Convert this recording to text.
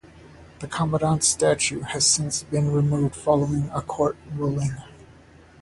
The Commandments statue has since been removed following a court ruling.